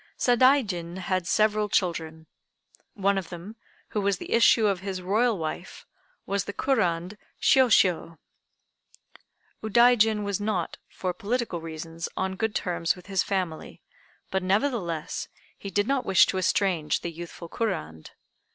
Sadaijin had several children. One of them, who was the issue of his Royal wife, was the Kurand Shiôshiô. Udaijin was not, for political reasons, on good terms with this family; but nevertheless he did not wish to estrange the youthful Kurand.